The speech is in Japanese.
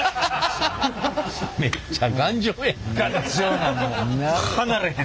めっちゃ頑丈やん。